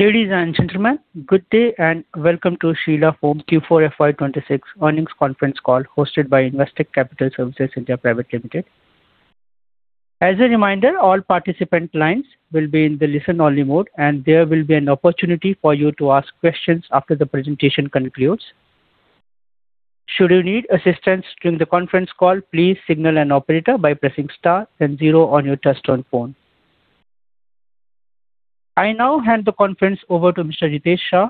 Ladies and gentlemen, good day, and welcome to Sheela Foam Q4 FY 2026 earnings conference call hosted by Investec Capital Services (India) Private Limited. As a reminder, all participant lines will be in the listen-only mode, and there will be an opportunity for you to ask questions after the presentation concludes. Should you need assistance during the conference call, please signal an operator by pressing star then zero on your touchtone phone. I now hand the conference over to Mr. Ritesh Shah,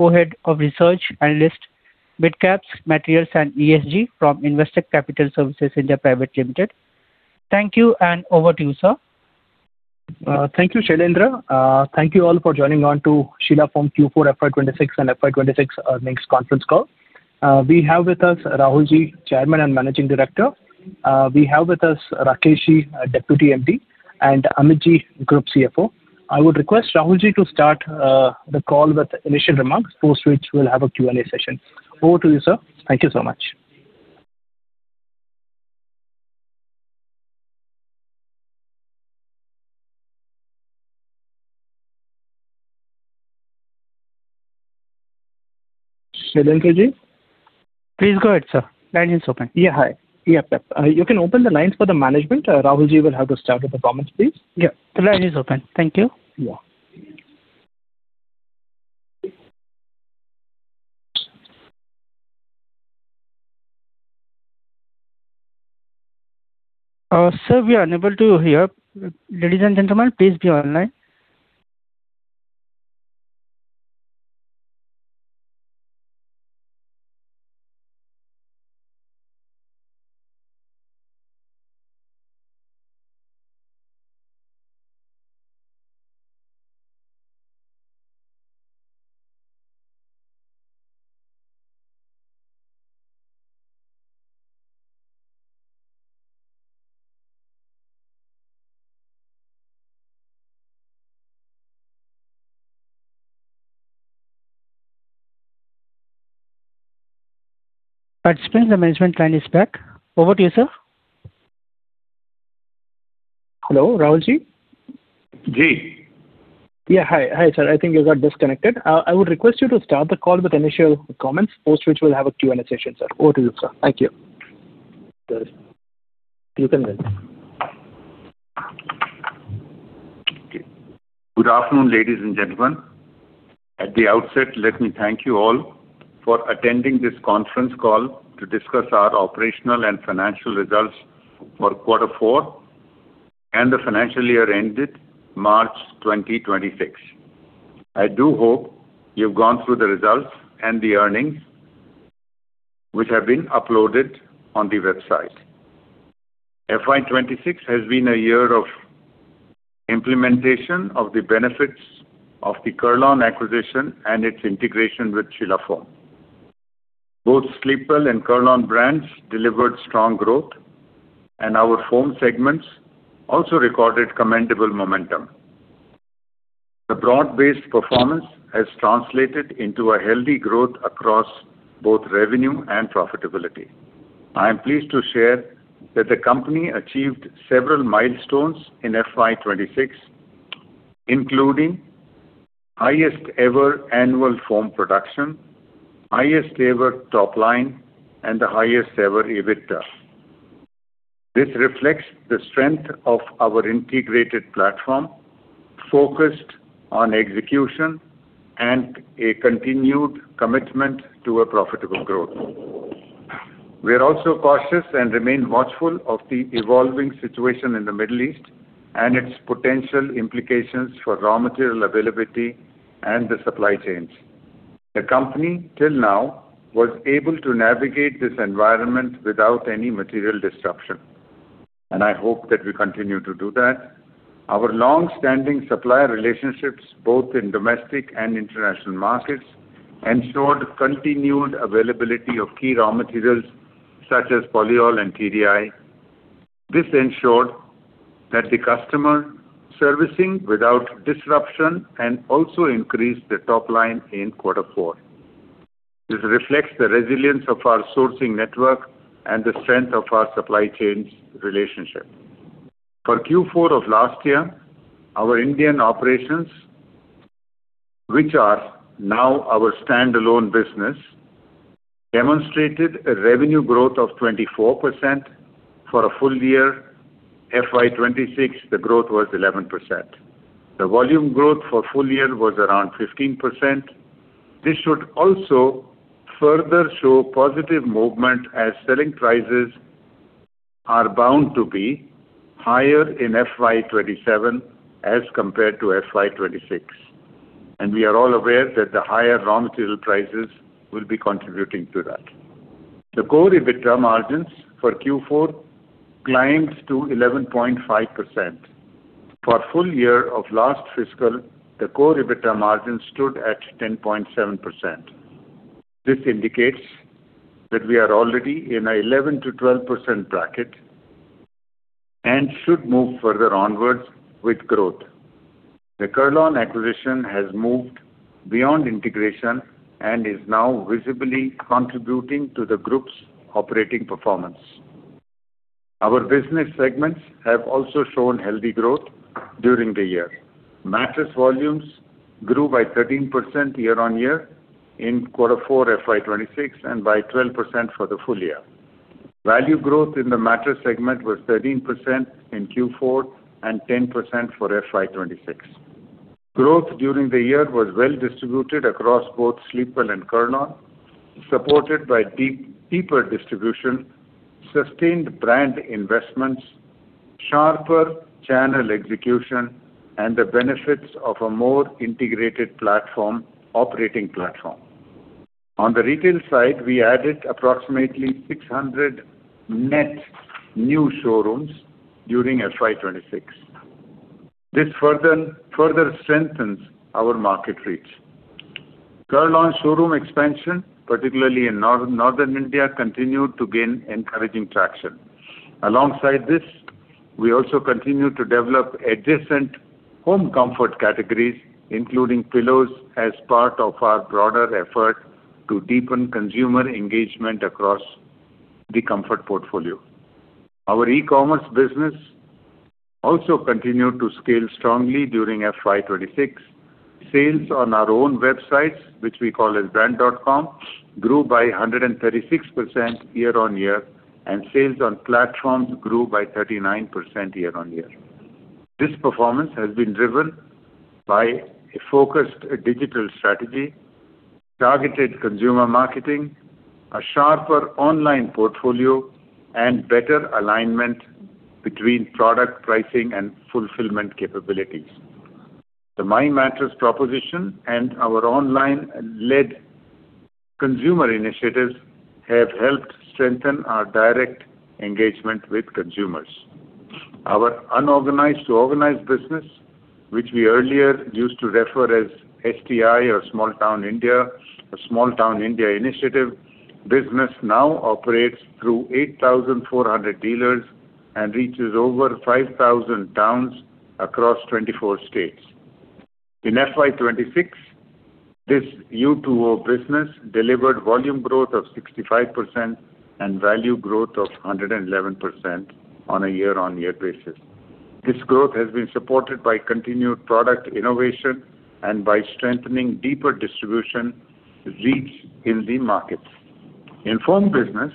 Co-Head of Research Analyst, midcaps, materials, and ESG from Investec Capital Services (India) Private Limited. Thank you, and over to you, sir. Thank you, Shailendra. Thank you all for joining on to Sheela Foam Q4 FY 2026 and FY 2026, next conference call. We have with us Rahul, Chairman and Managing Director. We have with us Rakesh, Deputy MD, and Amit, Group CFO. I would request Rahul to start the call with initial remarks, post which we'll have a Q&A session. Over to you, sir. Thank you so much. Rahul Please go ahead, sir. Line is open. Yeah. Hi. Yep. You can open the lines for the management. Rahul will have to start with the comments, please. Yeah. The line is open. Thank you. Yeah. Sir, we are unable to hear. Ladies and gentlemen, please be on line. Participants, the management line is back. Over to you, sir. Hello, Rahul. Ji. Yeah. Hi. Hi, sir. I think you got disconnected. I would request you to start the call with initial comments, post which we'll have a Q&A session, sir. Over to you, sir. Thank you. Yes. You can then. Okay. Good afternoon, ladies and gentlemen. At the outset, let me thank you all for attending this conference call to discuss our operational and financial results for quarter four and the financial year ended March 2026. I do hope you've gone through the results and the earnings, which have been uploaded on the website. FY 2026 has been a year of implementation of the benefits of the Kurl-On acquisition and its integration with Sheela Foam. Both Sleepwell and Kurl-On brands delivered strong growth, and our Foam segments also recorded commendable momentum. The broad-based performance has translated into a healthy growth across both revenue and profitability. I am pleased to share that the company achieved several milestones in FY 2026, including highest ever annual foam production, highest ever top line, and the highest ever EBITDA. This reflects the strength of our integrated platform focused on execution and a continued commitment to a profitable growth. We are also cautious and remain watchful of the evolving situation in the Middle East and its potential implications for raw material availability and the supply chains. The company, till now, was able to navigate this environment without any material disruption. I hope that we continue to do that. Our longstanding supplier relationships, both in domestic and international markets, ensured continued availability of key raw materials such as polyol and TDI. This ensured that the customer servicing without disruption and also increased the top line in quarter four. This reflects the resilience of our sourcing network and the strength of our supply chains relationship. For Q4 of last year, our Indian operations, which are now our standalone business, demonstrated a revenue growth of 24%. For a full year FY 2026, the growth was 11%. The volume growth for full year was around 15%. This should also further show positive movement as selling prices are bound to be higher in FY 2027 as compared to FY 2026, and we are all aware that the higher raw material prices will be contributing to that. The core EBITDA margins for Q4 climbed to 11.5%. For full year of last fiscal, the core EBITDA margin stood at 10.7%. This indicates that we are already in a 11%-12% bracket and should move further onwards with growth. The Kurl-On acquisition has moved beyond integration and is now visibly contributing to the group's operating performance. Our business segments have also shown healthy growth during the year. Mattress volumes grew by 13% year-on-year in quarter four FY 2026 and by 12% for the full year. Value growth in the mattress segment was 13% in Q4 and 10% for FY 2026. Growth during the year was well distributed across both Sleepwell and Kurl-On, supported by deeper distribution, sustained brand investments, sharper channel execution, and the benefits of a more integrated operating platform. On the retail side, we added approximately 600 net new showrooms during FY 2026. This further strengthens our market reach. Kurl-On showroom expansion, particularly in Northern India, continued to gain encouraging traction. Alongside this, we also continued to develop adjacent home comfort categories, including pillows, as part of our broader effort to deepen consumer engagement across the comfort portfolio. Our e-commerce business also continued to scale strongly during FY 2026. Sales on our own websites, which we call as Brand.com, grew by 136% year-on-year, and sales on platforms grew by 39% year-on-year. This performance has been driven by a focused digital strategy, targeted consumer marketing, a sharper online portfolio, and better alignment between product pricing and fulfillment capabilities. The My Mattress proposition and our online-led consumer initiatives have helped strengthen our direct engagement with consumers. Our unorganized to organized business, which we earlier used to refer as STI or Small Town India or Small Town India Initiative business now operates through 8,400 dealers and reaches over 5,000 towns across 24 states. In FY 2026, this U2O business delivered volume growth of 65% and value growth of 111% on a year-on-year basis. This growth has been supported by continued product innovation and by strengthening deeper distribution reach in the markets. In foam business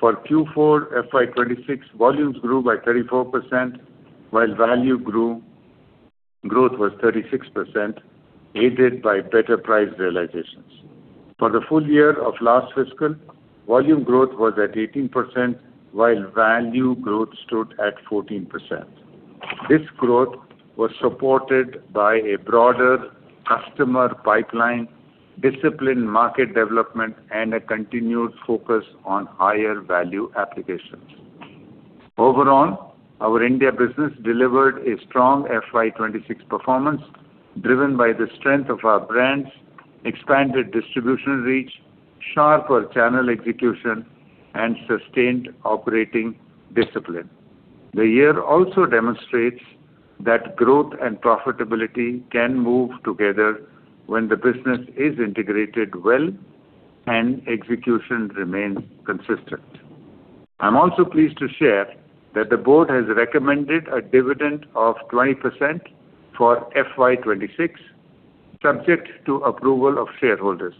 for Q4 FY 2026, volumes grew by 34%, while value growth was 36%, aided by better price realizations. For the full year of last fiscal, volume growth was at 18%, while value growth stood at 14%. This growth was supported by a broader customer pipeline, disciplined market development, and a continued focus on higher value applications. Overall, our India business delivered a strong FY 2026 performance driven by the strength of our brands, expanded distribution reach, sharper channel execution, and sustained operating discipline. The year also demonstrates that growth and profitability can move together when the business is integrated well and execution remains consistent. I'm also pleased to share that the board has recommended a dividend of 20% for FY 2026, subject to approval of shareholders.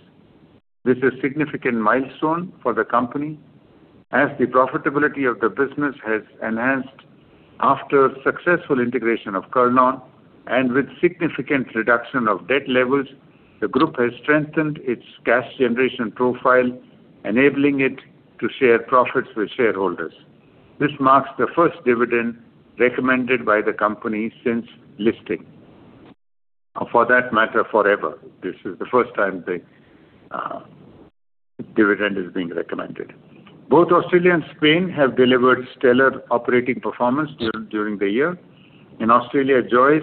This is significant milestone for the company as the profitability of the business has enhanced after successful integration of Kurl-On and with significant reduction of debt levels, the group has strengthened its cash generation profile, enabling it to share profits with shareholders. This marks the first dividend recommended by the company since listing. For that matter, forever. This is the first time the dividend is being recommended. Both Australia and Spain have delivered stellar operating performance during the year. In Australia, Joyce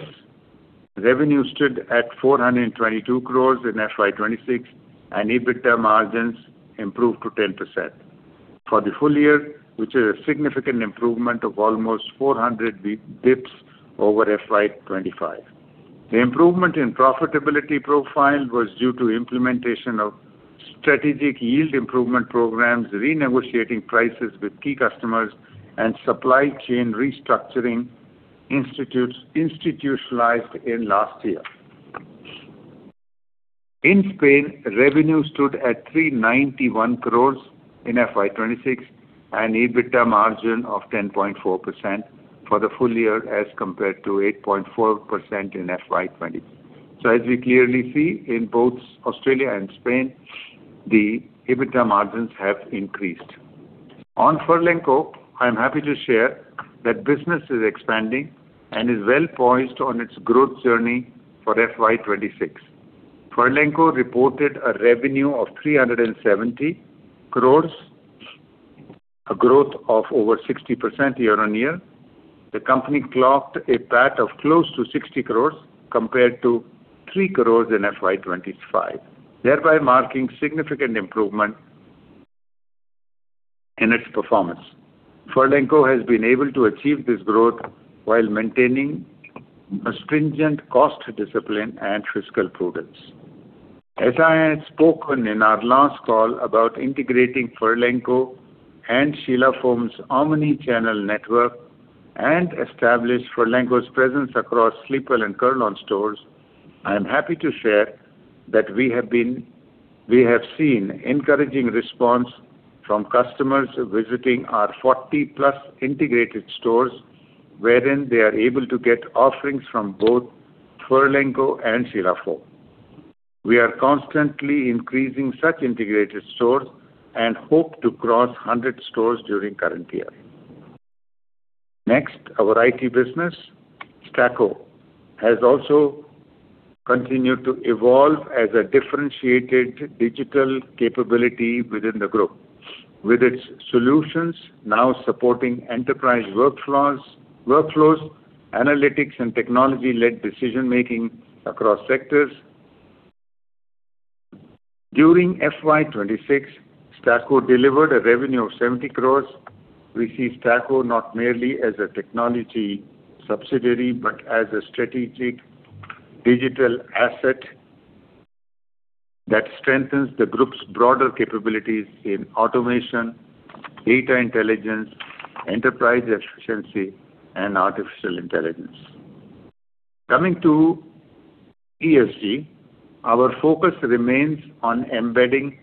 revenue stood at 422 crores in FY 2026, and EBITDA margins improved to 10% for the full year, which is a significant improvement of almost 400 bps over FY 2025. The improvement in profitability profile was due to implementation of strategic yield improvement programs, renegotiating prices with key customers, and supply chain restructuring institutionalized in last year. In Spain, revenue stood at 391 crores in FY 2026 and EBITDA margin of 10.4% for the full year as compared to 8.4% in FY 2020. As we clearly see in both Australia and Spain, the EBITDA margins have increased. On Furlenco, I am happy to share that business is expanding and is well poised on its growth journey for FY 2026. Furlenco reported a revenue of 370 crores, a growth of over 60% year on year. The company clocked a PAT of close to 60 crores compared to 3 crores in FY 2025, thereby marking significant improvement in its performance. Furlenco has been able to achieve this growth while maintaining a stringent cost discipline and fiscal prudence. I have spoken in our last call about integrating Furlenco and Sheela Foam's omni-channel network and establish Furlenco's presence across Sleepwell and Kurl-On stores, I am happy to share that we have seen encouraging response from customers visiting our 40-plus integrated stores, wherein they are able to get offerings from both Furlenco and Sheela Foam. We are constantly increasing such integrated stores and hope to cross 100 stores during current year. Next, our IT business, Staqo, has also continued to evolve as a differentiated digital capability within the group, with its solutions now supporting enterprise workflows, analytics, and technology-led decision-making across sectors. During FY 2026, Staqo delivered a revenue of 70 crores. We see Staqo not merely as a technology subsidiary, but as a strategic digital asset that strengthens the group's broader capabilities in automation, data intelligence, enterprise efficiency, and artificial intelligence. Coming to ESG, our focus remains on embedding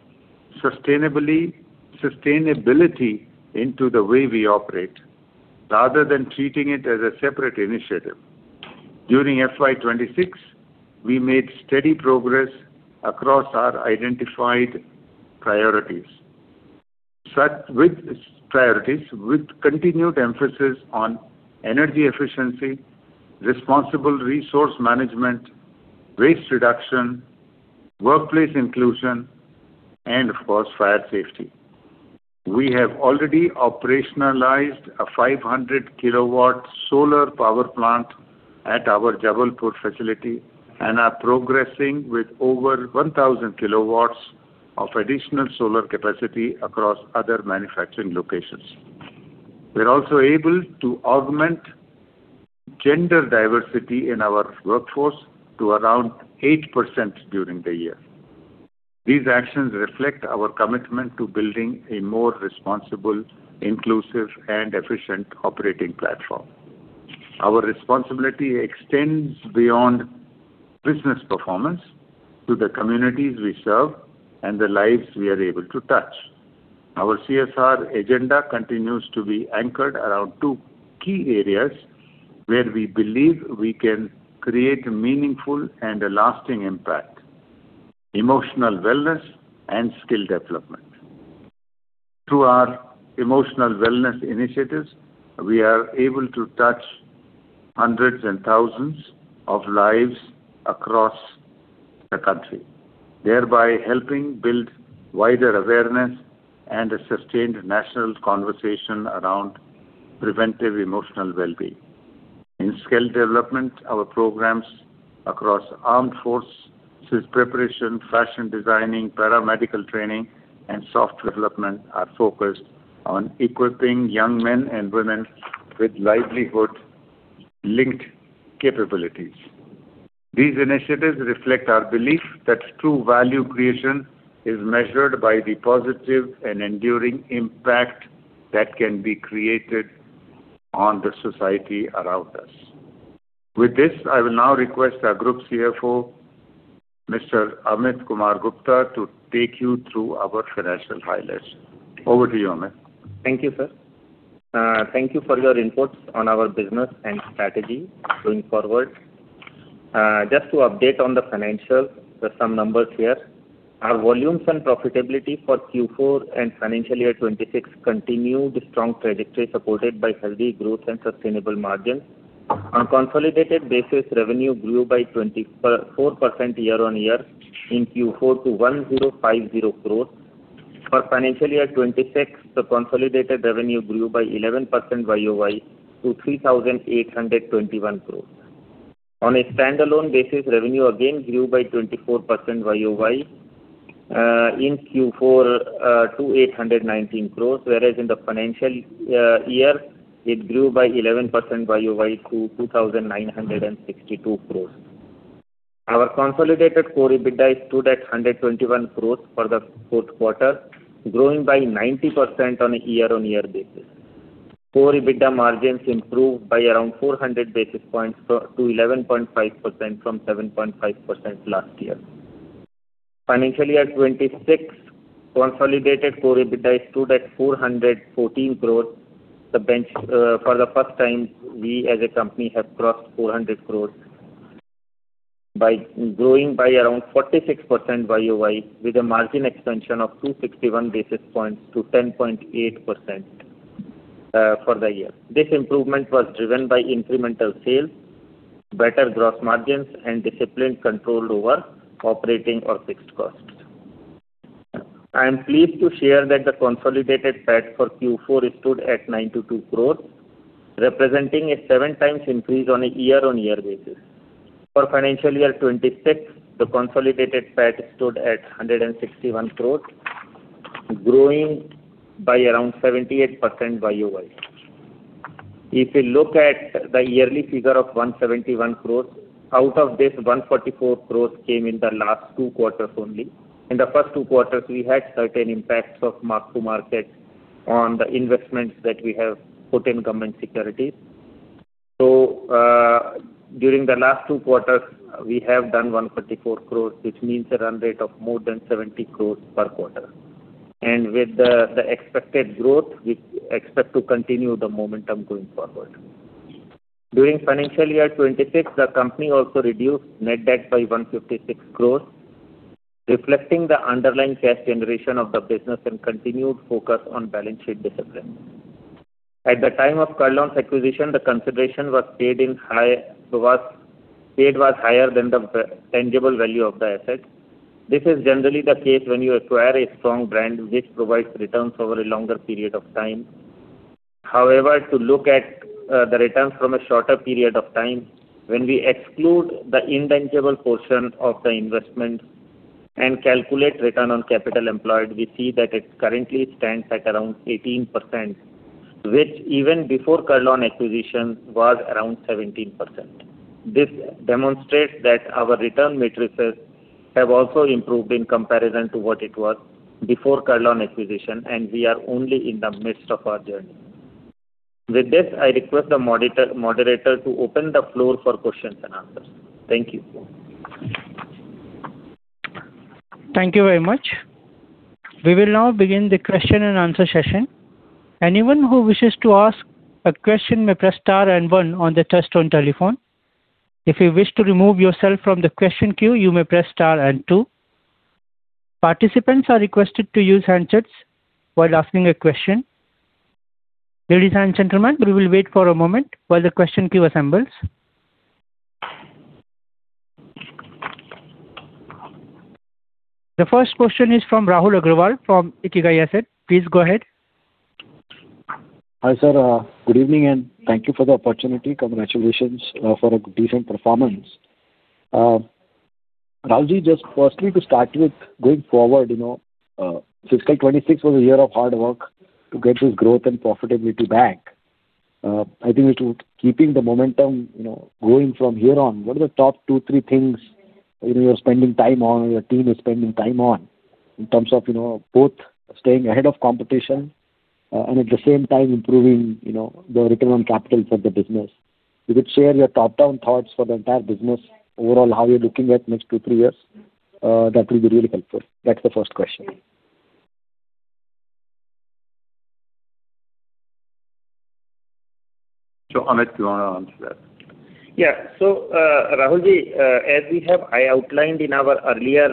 sustainability into the way we operate rather than treating it as a separate initiative. During FY 2026, we made steady progress across our identified priorities. Strategic priorities, with continued emphasis on energy efficiency, responsible resource management, waste reduction, workplace inclusion, and of course, fire safety. We have already operationalized a 500 kW solar power plant at our Jabalpur facility and are progressing with over 1,000 kW of additional solar capacity across other manufacturing locations. We're also able to augment gender diversity in our workforce to around 8% during the year. These actions reflect our commitment to building a more responsible, inclusive, and efficient operating platform. Our responsibility extends beyond business performance to the communities we serve and the lives we are able to touch. Our CSR agenda continues to be anchored around two key areas where we believe we can create meaningful and a lasting impact: emotional wellness and skill development. Through our emotional wellness initiatives, we are able to touch hundreds and thousands of lives across the country, thereby helping build wider awareness and a sustained national conversation around preventive emotional wellbeing. In skill development, our programs across armed forces preparation, fashion designing, paramedical training, and software development are focused on equipping young men and women with livelihood-linked capabilities. These initiatives reflect our belief that true value creation is measured by the positive and enduring impact that can be created on the society around us. With this, I will now request our Group CFO, Mr. Amit Kumar Gupta, to take you through our financial highlights. Over to you, Amit. Thank you, sir. Thank you for your inputs on our business and strategy going forward. Just to update on the financials, just some numbers here. Our volumes and profitability for Q4 and financial year 2026 continued strong trajectory supported by healthy growth and sustainable margins. On consolidated basis, revenue grew by 24% year-on-year in Q4 to 1,050 crores. For financial year 2026, the consolidated revenue grew by 11% YoY to 3,821 crores. On a standalone basis, revenue again grew by 24% YoY in Q4 to 819 crores, whereas in the financial year, it grew by 11% YoY to 2,962 crores. Our consolidated core EBITDA stood at 121 crores for the fourth quarter, growing by 90% on a year-on-year basis. Core EBITDA margins improved by around 400 basis points to 11.5% from 7.5% last year. FY 2026 consolidated core EBITDA stood at 414 crores. For the first time, we as a company have crossed 400 crores by growing by around 46% YoY with a margin expansion of 261 basis points to 10.8% for the year. This improvement was driven by incremental sales, better gross margins, and disciplined control over operating our fixed costs. I am pleased to share that the consolidated PAT for Q4 stood at 92 crores, representing a seven times increase on a year-on-year basis. For financial year 2026, the consolidated PAT stood at 161 crores, growing by around 78% YoY. If you look at the yearly figure of 171 crores, out of this 144 crores came in the last two quarters only. In the first two quarters, we had certain impacts of mark to market on the investments that we have put in government securities. During the last two quarters, we have done 144 crores, which means a run rate of more than 70 crores per quarter. With the expected growth, we expect to continue the momentum going forward. During financial year 2026, the company also reduced net debt by 156 crores, reflecting the underlying cash generation of the business and continued focus on balance sheet discipline. At the time of Kurl-On's acquisition, the consideration paid was higher than the tangible value of the assets. This is generally the case when you acquire a strong brand which provides returns over a longer period of time. However, to look at the returns from a shorter period of time, when we exclude the intangible portion of the investment and calculate return on capital employed, we see that it currently stands at around 18%, which even before Kurl-On acquisition was around 17%. This demonstrates that our return matrices have also improved in comparison to what it was before Kurl-On acquisition, and we are only in the midst of our journey. With this, I request the monitor, moderator to open the floor for questions and answers. Thank you. Thank you very much. We will now begin the question-and-answer session. Anyone who wishes to ask a question may press star and one on the touchtone telephone. If you wish to remove yourself from the question queue you may press star and two. Participants are requested to use handsets while asking a question. Ladies and gentlemen we will wait for a moment while the question queue assembles. The first question is from Rahul Agarwal from Ikigai Asset. Please go ahead. Hi, sir. good evening and thank you for the opportunity. Congratulations, for a decent performance. Rahul, just firstly to start with going forward, you know, fiscal 26 was a year of hard work to get this growth and profitability back. I think to keeping the momentum, you know, going from here on, what are the top two, three things, you know, you're spending time on or your team is spending time on in terms of, you know, both staying ahead of competition, and at the same time improving, you know, the return on capital for the business. If you could share your top-down thoughts for the entire business overall, how you're looking at next two, three years, that will be really helpful. That's the first question. Amit, do you wanna answer that? Yeah. Rahul, as I outlined in our earlier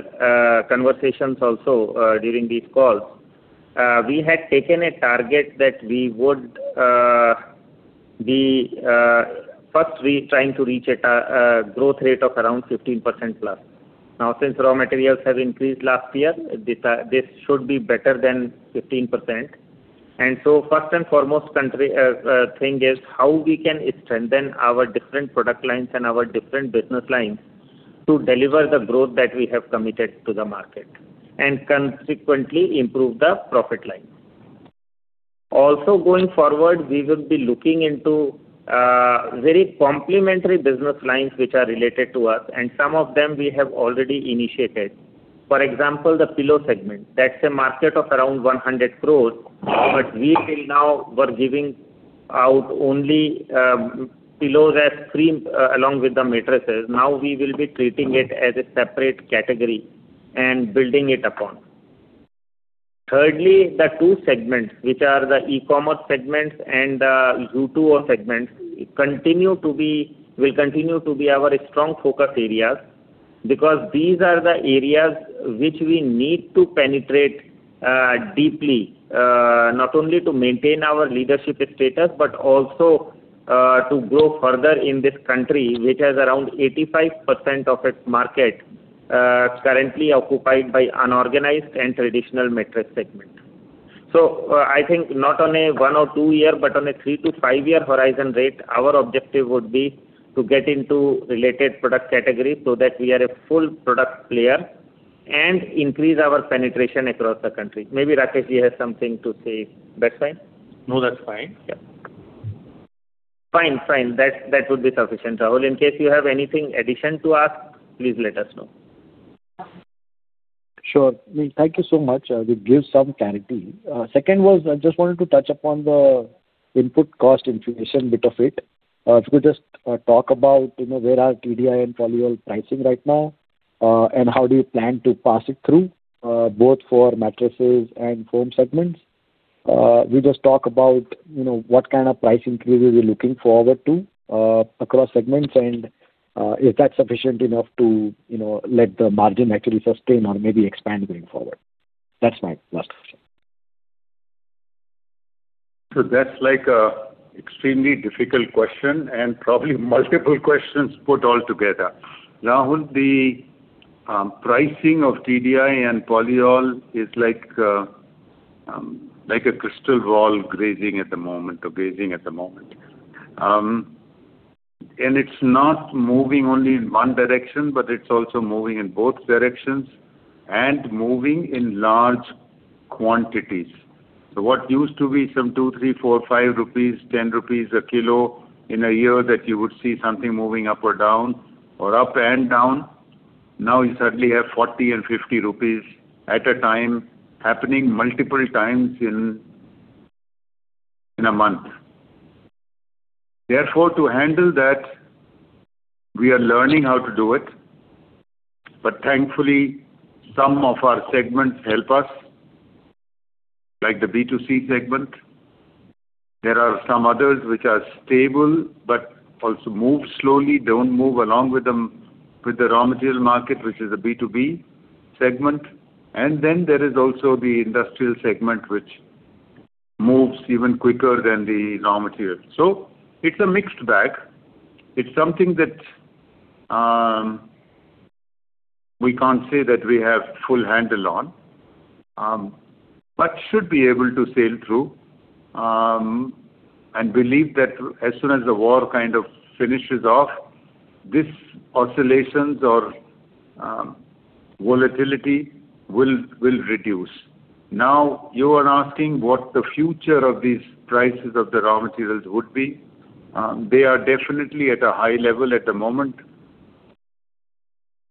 conversations also, during these calls, we had taken a target that we would be first we trying to reach at a growth rate of around 15%+. Now, since raw materials have increased last year, this should be better than 15%. First and foremost thing is how we can strengthen our different product lines and our different business lines to deliver the growth that we have committed to the market and consequently improve the profit line. Also going forward, we will be looking into very complementary business lines which are related to us, and some of them we have already initiated. For example, the pillow segment. That's a market of around 100 crores. We till now were giving out only pillows as free along with the mattresses. Now we will be treating it as a separate category and building it upon. Thirdly, the two segments, which are the E-commerce segments and the B2C segments, will continue to be our strong focus areas because these are the areas which we need to penetrate deeply, not only to maintain our leadership status, but also to grow further in this country, which has around 85% of its market currently occupied by unorganized and traditional mattress segment. I think not on a one or two year, but on a three- to five-year horizon rate, our objective would be to get into related product category so that we are a full product player and increase our penetration across the country. Maybe Rakesh has something to say. That's fine? No, that's fine. Yeah. Fine. Fine. That, that would be sufficient, Rahul. In case you have anything addition to ask, please let us know. Sure. Thank you so much. It gives some clarity. Second was I just wanted to touch upon the input cost inflation bit of it. If you could just talk about, you know, where are TDI and polyol pricing right now, and how do you plan to pass it through, both for Mattresses and Foam segments. We just talk about, you know, what kind of price increase are we looking forward to, across segments and, is that sufficient enough to, you know, let the margin actually sustain or maybe expand going forward? That's my last question. That's like a extremely difficult question and probably multiple questions put all together. Rahul, the pricing of TDI and polyol is like a crystal ball gazing at the moment. It's not moving only in one direction, but it's also moving in both directions and moving in large quantities. What used to be some 2 rupees, 3 rupees, 4, 5 rupees, 10 rupees a kilo in a year that you would see something moving up or down or up and down, now you suddenly have 40 and 50 rupees at a time happening multiple times in a month. To handle that, we are learning how to do it, but thankfully, some of our segments help us, like the B2C segment. There are some others which are stable but also move slowly, don't move along with the raw material market, which is a B2B segment. There is also the Industrial segment, which moves even quicker than the raw material. It's a mixed bag. It's something that we can't say that we have full handle on, but should be able to sail through. Believe that as soon as the war kind of finishes off, these oscillations or volatility will reduce. You are asking what the future of these prices of the raw materials would be. They are definitely at a high level at the moment.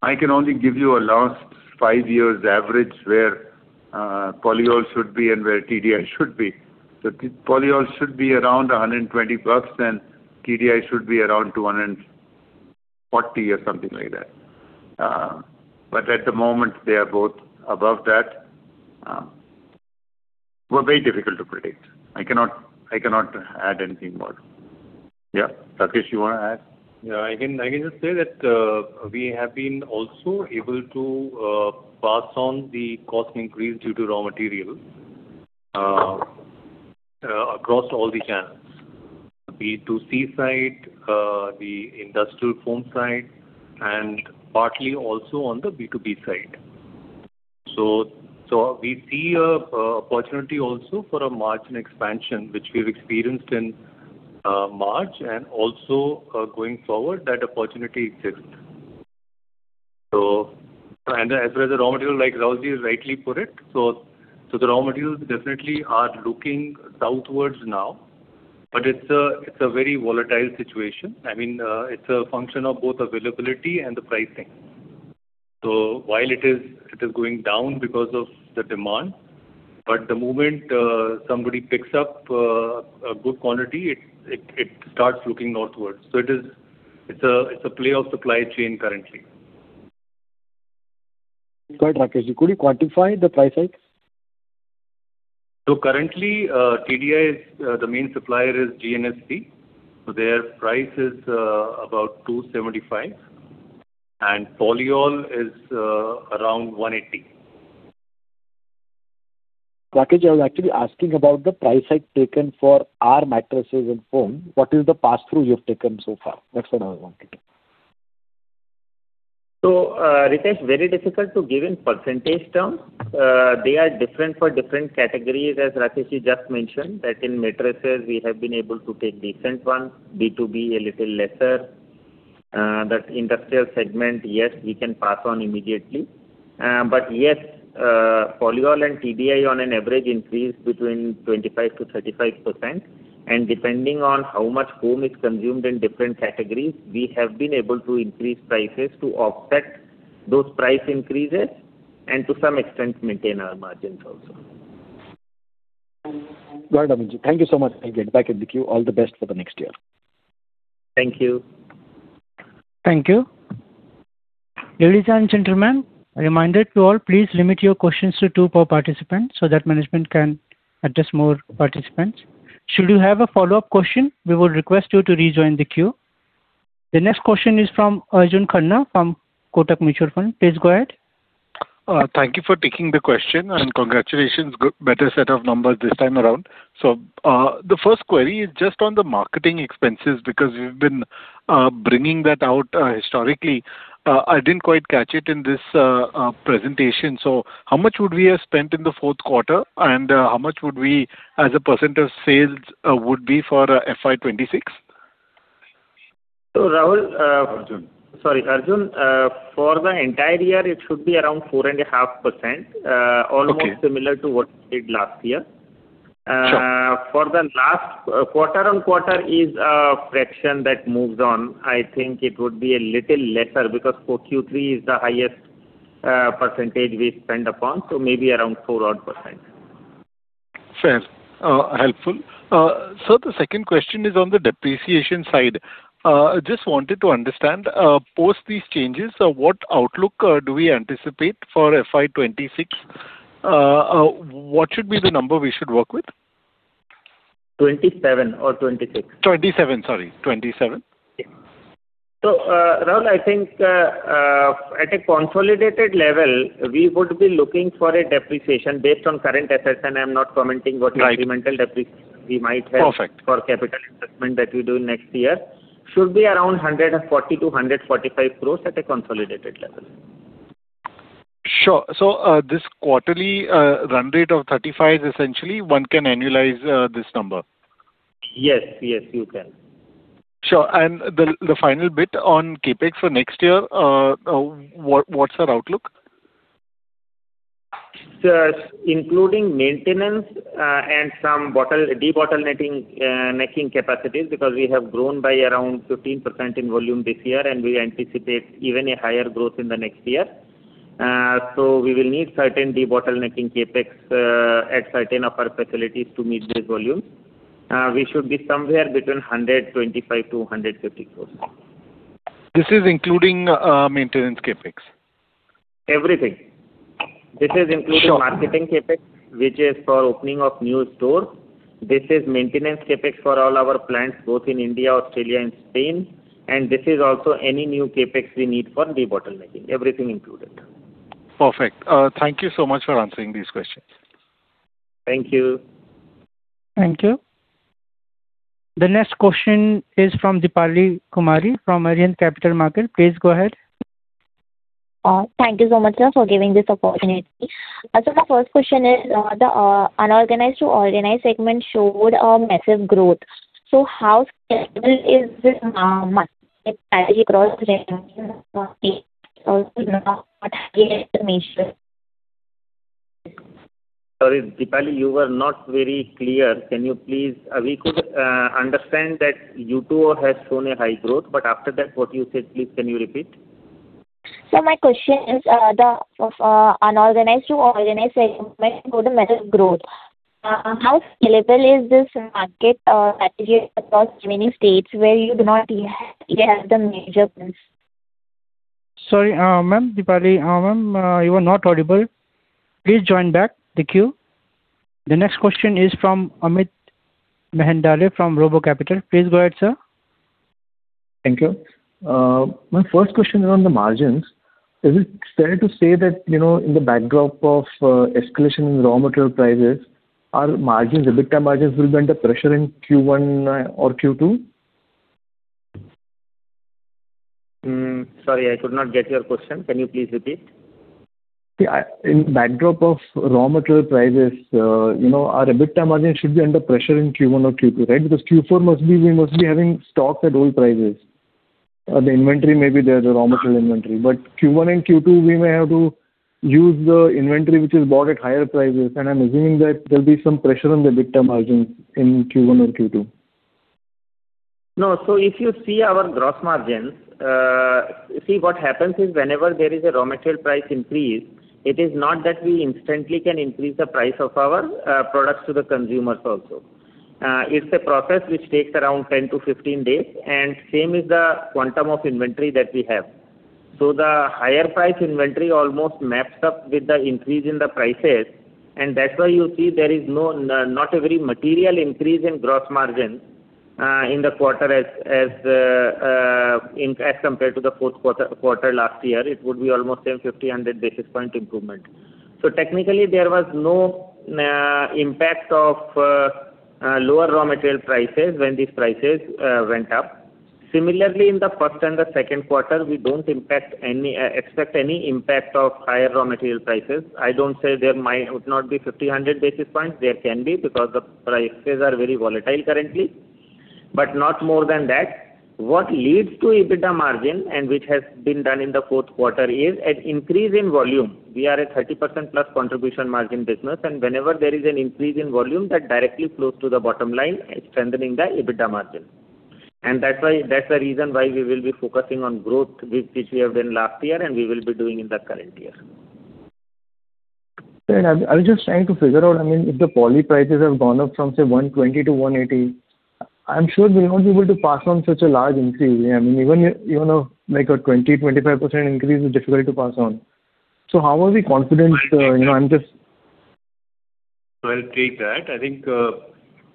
I can only give you a last five years average where polyol should be and where TDI should be. Polyol should be around 120+, TDI should be around 240 or something like that. At the moment they are both above that. Very difficult to predict. I cannot add anything more. Yeah. Rakesh, you wanna add? I can just say that we have been also able to pass on the cost increase due to raw materials across all the channels. The B2C side, the industrial foam side, and partly also on the B2B side. We see a opportunity also for a margin expansion, which we've experienced in March and also going forward that opportunity exists. As the raw material, like Rahul rightly put it, the raw materials definitely are looking downwards now, but it's a very volatile situation. I mean, it's a function of both availability and the pricing. While it is going down because of the demand, but the moment somebody picks up a good quantity, it starts looking northwards. it is, it's a play of supply chain currently. Right. Rakesh, could you quantify the price hike? Currently, TDI, the main supplier is GNFC. Their price is about 275, and polyol is around 180. Rakesh, I was actually asking about the price hike taken for our Mattresses and Foam. What is the pass-through you've taken so far? That's what I was wanting to know. Rahul, very difficult to give in percentage terms. They are different for different categories, as Rakesh just mentioned, that in mattresses we have been able to take decent ones, B2B a little lesser. That industrial segment, yes, we can pass on immediately. But yes, polyol and TDI on an average increase between 25%-35%. Depending on how much foam is consumed in different categories, we have been able to increase prices to offset those price increases and to some extent maintain our margins also. Got it, Amit. Thank you so much. I'll get back in the queue. All the best for the next year. Thank you. Thank you. Ladies and gentlemen, a reminder to all, please limit your questions to two per participant so that management can address more participants. Should you have a follow-up question, we would request you to rejoin the queue. The next question is from Arjun Khanna from Kotak Mutual Fund. Please go ahead. Thank you for taking the question, and congratulations. Good, better set of numbers this time around. The first query is just on the marketing expenses, because you've been bringing that out historically. I didn't quite catch it in this presentation. How much would we have spent in the fourth quarter, and how much would we as a percent of sales would be for FY 2026? Rahul. Arjun. Sorry, Arjun. For the entire year, it should be around 4.5%. Okay. Almost similar to what we did last year. Sure. For the last quarter-on-quarter is a fraction that moves on. I think it would be a little lesser because for Q3 is the highest percentage we spend upon, so maybe around 4 odd %. Fair. Helpful. Sir, the second question is on the depreciation side. Just wanted to understand, post these changes, what outlook do we anticipate for FY 2026? What should be the number we should work with? 27 or 26. 27. Sorry, 27. Yeah. Arjun, I think, at a consolidated level, we would be looking for a depreciation based on current assets, and I am not commenting. Right. Incremental depreciation we might have. Perfect. For capital investment that we do next year should be around 140 crores-145 crores at a consolidated level. Sure. This quarterly, run rate of 35 essentially one can annualize, this number. Yes. Yes, you can. Sure. The final bit on CapEx for next year, what's our outlook? Sir, including maintenance, and some debottlenecking capacities, because we have grown by around 15% in volume this year, and we anticipate even a higher growth in the next year. We will need certain debottlenecking CapEx at certain of our facilities to meet this volume. We should be somewhere between 125 crore-150 crore. This is including, maintenance CapEx? Everything. Sure. This is including marketing CapEx, which is for opening of new stores. This is maintenance CapEx for all our plants, both in India, Australia and Spain. This is also any new CapEx we need for debottlenecking. Everything included. Perfect. Thank you so much for answering these questions. Thank you. Thank you. The next question is from Deepali Kumari from Arihant Capital Markets. Please go ahead. Thank you so much, sir, for giving this opportunity. My first question is, the unorganized to organized segment showed a massive growth. How scalable is this market across many states where you do not yet have the major presence? Sorry, Deepali, you were not very clear. Can you please we could understand that you too have shown a high growth, but after that, what you said, please can you repeat? My question is, the unorganized to organized segment showed a massive growth. How scalable is this market category across many states where you do not yet have the major presence? Sorry, ma'am, Deepali. ma'am, you were not audible. Please join back the queue. The next question is from Amit Mehendale from RoboCapital. Please go ahead, sir. Thank you. My first question is on the margins. Is it fair to say that, in the backdrop of escalation in raw material prices, our margins, EBITDA margins will be under pressure in Q1 or Q2? Sorry, I could not get your question. Can you please repeat? Yeah, in backdrop of raw material prices, you know, our EBITDA margin should be under pressure in Q1 or Q2, right? Because Q4 must be, we must be having stock at old prices. The inventory may be there, the raw material inventory. Q1 and Q2, we may have to use the inventory which is bought at higher prices. I'm assuming that there'll be some pressure on the EBITDA margins in Q1 and Q2. No. If you see our gross margins, see what happens is whenever there is a raw material price increase, it is not that we instantly can increase the price of our products to the consumers also. It's a process which takes around 10-15 days, and same is the quantum of inventory that we have. The higher price inventory almost maps up with the increase in the prices, and that's why you see there is no, not a very material increase in gross margin in the quarter as, in, as compared to the fourth quarter last year. It would be almost a 50-100 basis point improvement. Technically, there was no impact of lower raw material prices when these prices went up. Similarly, in the first and the second quarter, we don't expect any impact of higher raw material prices. I don't say there might not be 50, 100 basis points. There can be, because the prices are very volatile currently. Not more than that. What leads to EBITDA margin, and which has been done in the fourth quarter is an increase in volume. We are a 30%+ contribution margin business, and whenever there is an increase in volume, that directly flows to the bottom line, strengthening the EBITDA margin. That's why, that's the reason why we will be focusing on growth with which we have done last year, and we will be doing in the current year. Right. I was just trying to figure out, I mean, if the polyol prices have gone up from, say, 120-180, I'm sure we won't be able to pass on such a large increase. I mean, even a like 20-25% increase is difficult to pass on. How are we confident? I'll take that. I think,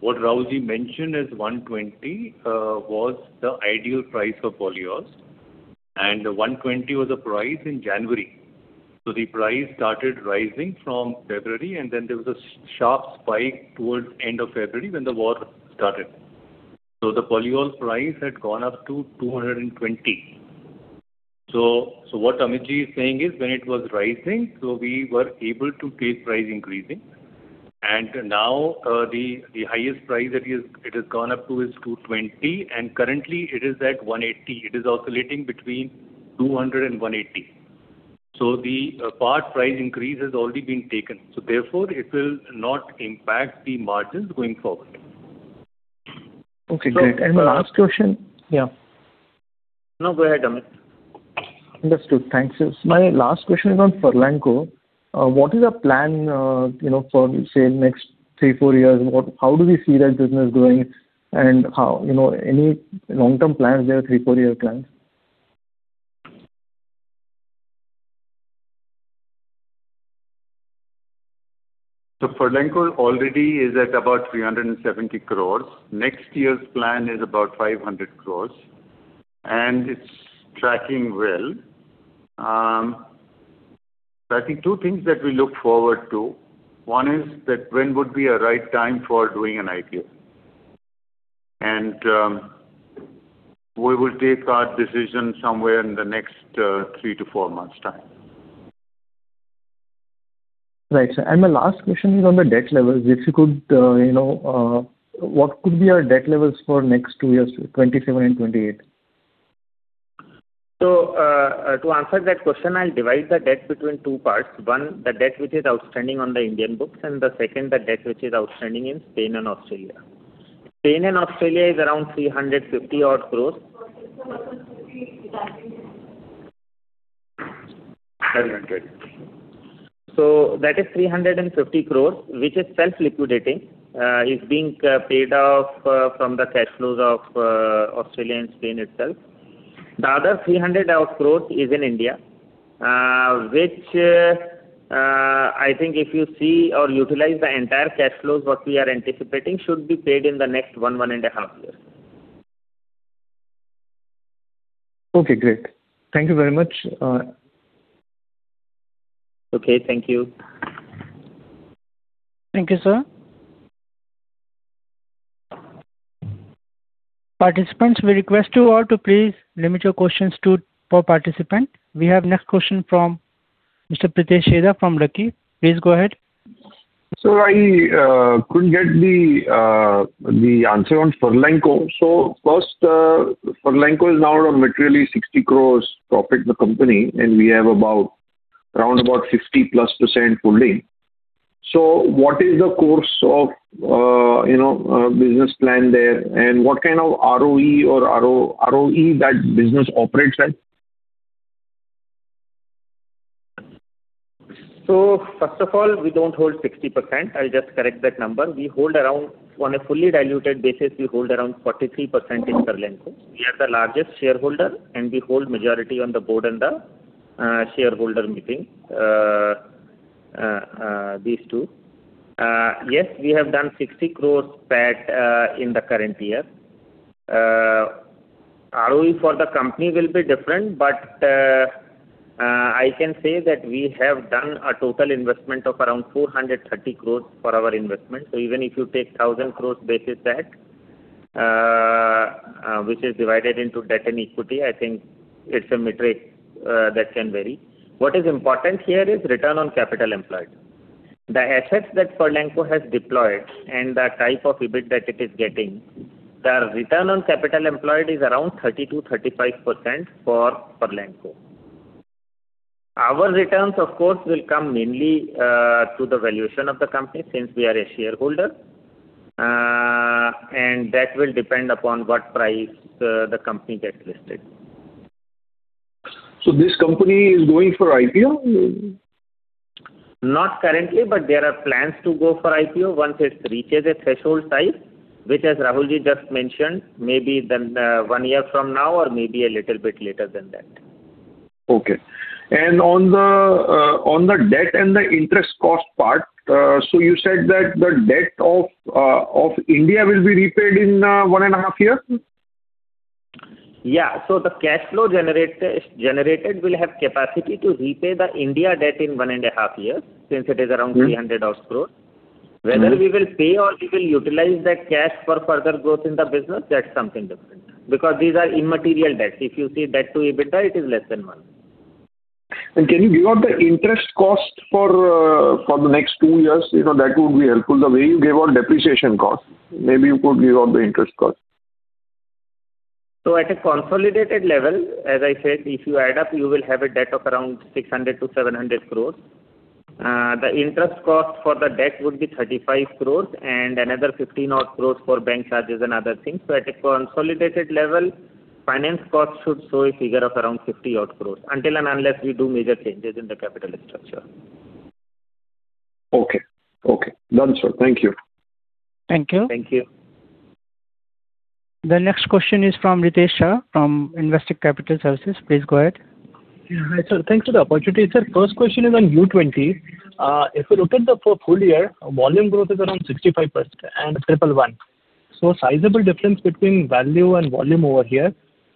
what Rahul mentioned as 120 was the ideal price for polyols. 120 was the price in January. The price started rising from February, and then there was a sharp spike towards end of February when the war started. The polyols price had gone up to 220. What Amit is saying is, when it was rising, we were able to take price increasing. Now, the highest price that is, it has gone up to is 220, and currently it is at 180. It is oscillating between 200 and 180. The part price increase has already been taken, therefore it will not impact the margins going forward. Okay, great. The last question. So, uh- Yeah. No, go ahead, Amit. Understood. Thanks. My last question is on Furlenco. What is the plan, you know, for, say, in the next three, four years? How do we see that business growing and how, you know, any long-term plans there, three-, four-year plans? Furlenco already is at about 370 crores. Next year's plan is about 500 crores, and it's tracking well. I think two things that we look forward to. One is that when would be a right time for doing an IPO. We will take our decision somewhere in the next three to four months' time. Right. My last question is on the debt levels. If you could, you know, what could be our debt levels for next two years, 2027 and 2028? To answer that question, I'll divide the debt between two parts. One, the debt which is outstanding on the Indian books, and the second, the debt which is outstanding in Spain and Australia. Spain and Australia is around 350 odd crores. INR 700. That is 350 crores, which is self-liquidating. It's being paid off from the cash flows of Australia and Spain itself. The other 300 odd crores is in India, which, I think if you see or utilize the entire cash flows, what we are anticipating should be paid in the next one to 1.5 years. Okay, great. Thank you very much. Okay, thank you. Thank you, sir. Participants, we request you all to please limit your questions to one per participant. We have next question from Mr. Pritesh Chheda from Lucky. Please go ahead. Sir, I couldn't get the answer on Furlenco. First, Furlenco is now around materially 60 crores profit the company, and we have around about 60+% holding. What is the course of, you know, business plan there and what kind of ROE that business operates at? First of all, we don't hold 60%. I'll just correct that number. We hold around, on a fully diluted basis, we hold around 43% in Furlenco. We are the largest shareholder, and we hold majority on the board and the shareholder meeting. These two. Yes, we have done 60 crores PAT in the current year. ROE for the company will be different, but I can say that we have done a total investment of around 430 crores for our investment. Even if you take 1,000 crores basis that, which is divided into debt and equity, I think it's a metric that can vary. What is important here is return on capital employed. The assets that Furlenco has deployed and the type of EBIT that it is getting, the return on capital employed is around 30%-35% for Furlenco. Our returns, of course, will come mainly through the valuation of the company since we are a shareholder. That will depend upon what price the company gets listed. This company is going for IPO? Not currently, but there are plans to go for IPO once it reaches a threshold size, which as Rahul just mentioned, maybe then, one year from now or maybe a little bit later than that. Okay. On the, on the debt and the interest cost part, so you said that the debt of India will be repaid in 1.5 years? Yeah. The cash flow generated will have capacity to repay the India debt in 1.5 years, since it is around 300 odd crores. Whether we will pay or we will utilize that cash for further growth in the business, that's something different. Because these are immaterial debts. If you see debt to EBITDA, it is less than one. Can you give out the interest cost for the next two years? You know, that would be helpful. The way you gave out depreciation cost, maybe you could give out the interest cost. At a consolidated level, as I said, if you add up, you will have a debt of around 600 crore-700 crore. The interest cost for the debt would be 35 crore and another 15 odd crore for bank charges and other things. At a consolidated level, finance cost should show a figure of around 50 odd crore, until and unless we do major changes in the capital structure. Okay. Done, sir. Thank you. Thank you. Thank you. The next question is from Ritesh Shah from Investec Capital Services. Please go ahead. Yeah. Hi, sir. Thanks for the opportunity. Sir, first question is on U2O. If you look at the full year, volume growth is around 65% and 111. Sizable difference between value and volume over here.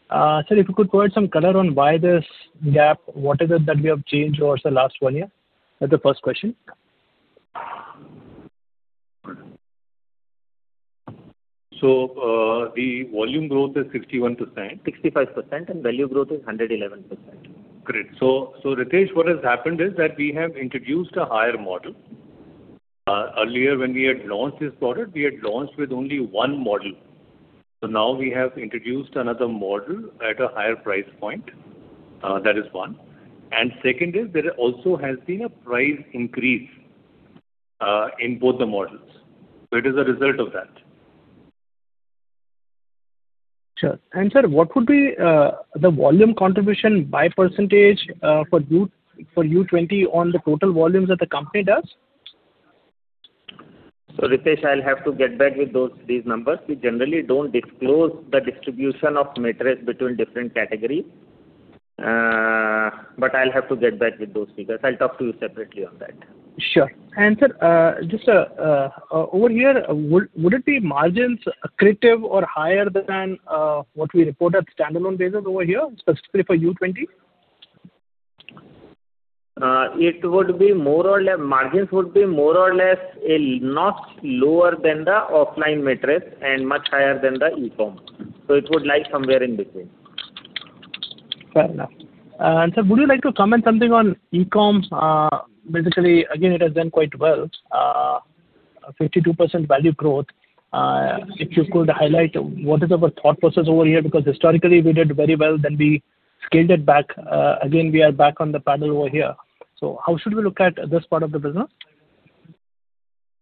Sir, if you could provide some color on why this gap, what is it that we have changed over the last one year? That's the first question. The volume growth is 61%. 65%, and value growth is 111%. Great. Ritesh, what has happened is that we have introduced a higher model. Earlier when we had launched this product, we had launched with only one model. Now we have introduced another model at a higher price point. That is one. Second is there also has been a price increase in both the models. It is a result of that. Sure. Sir, what would be the volume contribution by percentage, for U2O on the total volumes that the company does? Ritesh, I'll have to get back with those, these numbers. We generally don't disclose the distribution of metrics between different categories. I'll have to get back with those figures. I'll talk to you separately on that. Sure. Sir, just over here, would it be margins accretive or higher than what we report at standalone basis over here, specifically for U2O? margins would be more or less, not lower than the offline mattress and much higher than the e-com. It would lie somewhere in between. Fair enough. Sir, would you like to comment something on e-com? Basically, again, it has done quite well, 52% value growth. If you could highlight what is our thought process over here, because historically we did very well, then we scaled it back. Again, we are back on the panel over here. How should we look at this part of the business?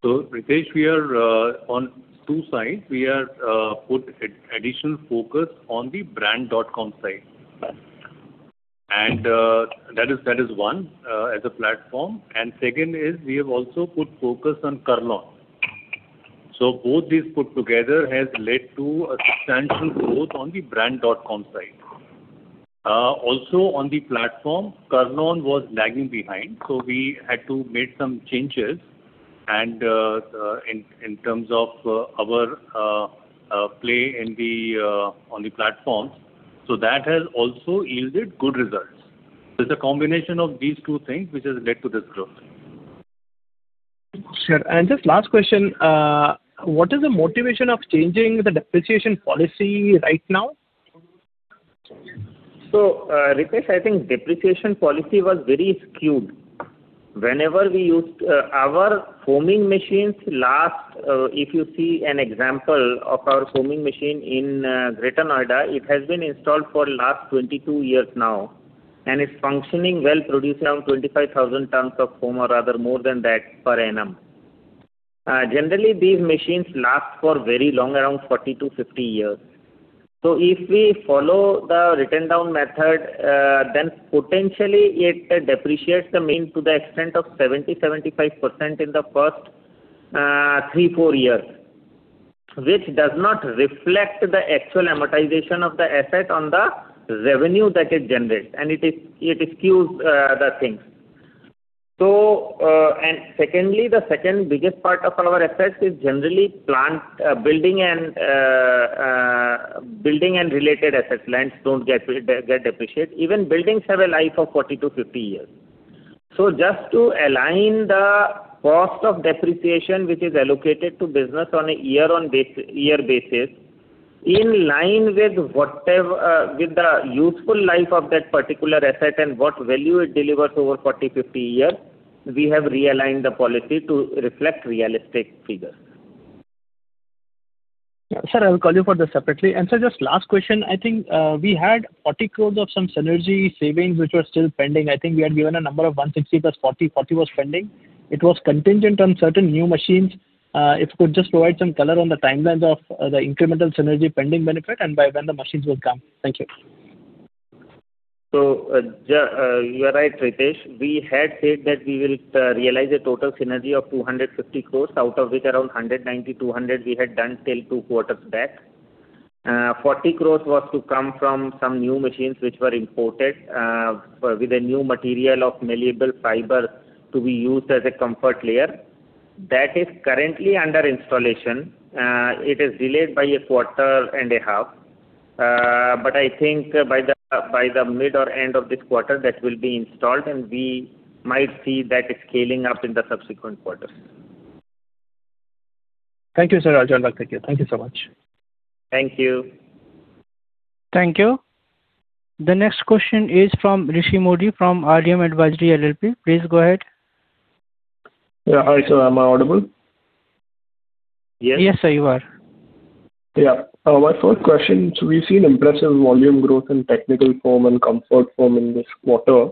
Ritesh, we are on two sides. We are put additional focus on the Brand.com side. That is one as a platform. Second is we have also put focus on Kurl-On. Both these put together has led to a substantial growth on the Brand.com side. Also on the platform, Kurl-On was lagging behind, so we had to make some changes and in terms of our play in the on the platforms. That has also yielded good results. It's a combination of these two things which has led to this growth. Sure. Just last question. What is the motivation of changing the depreciation policy right now? Ritesh, I think depreciation policy was very skewed. Whenever we used our foaming machines last, if you see an example of our foaming machine in Greater Noida, it has been installed for last 22 years now, and it's functioning well, producing around 25,000 tons of foam or rather more than that per annum. Generally these machines last for very long, around 40-50 years. If we follow the written down method, then potentially it depreciates the mean to the extent of 70%-75% in the first three, four years, which does not reflect the actual amortization of the asset on the revenue that it generates. It skews the things. Secondly, the second biggest part of our assets is generally plant, building and related assets. Lands don't get get depreciate. Even buildings have a life of 40-50 years. Just to align the cost of depreciation, which is allocated to business on a year-on-year basis, in line with whatever, with the useful life of that particular asset and what value it delivers over 40, 50 years, we have realigned the policy to reflect realistic figures. Yeah. Sir, I will call you for this separately. Sir, just last question. I think we had 40 crore of some synergy savings which were still pending. I think we had given a number of 160 + 40. 40 was pending. It was contingent on certain new machines. If you could just provide some color on the timelines of the incremental synergy pending benefit and by when the machines will come. Thank you. You are right, Ritesh. We had said that we will realize a total synergy of 250 crores, out of which around 190-200 we had done till two quarters back. 40 crores was to come from some new machines which were imported with a new material of malleable fiber to be used as a comfort layer. That is currently under installation. It is delayed by a quarter and a half. I think by the mid or end of this quarter, that will be installed and we might see that scaling up in the subsequent quarters. Thank you, sir. I'll join back with you. Thank you so much. Thank you. Thank you. The next question is from Rishi Mody from RDM Advisory LLP. Please go ahead. Yeah. Hi, sir. Am I audible? Yes, sir, you are. My first question, we've seen impressive volume growth in technical foam and comfort foam in this quarter.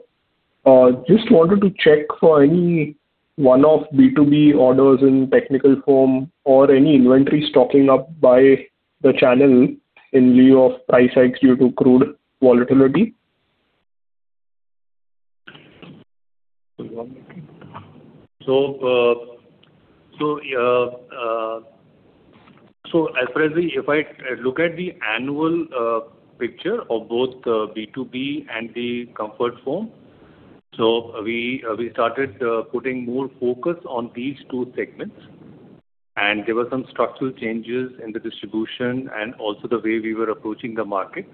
Just wanted to check for any one-off B2B orders in technical foam or any inventory stocking up by the channel in lieu of price hikes due to crude volatility. As per the annual picture of both B2B and the comfort foam. We started putting more focus on these two segments, and there were some structural changes in the distribution and also the way we were approaching the market.